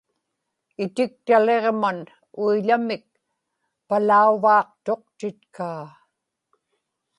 itiktaliġman uiḷamik palauvaaqtuqtitkaa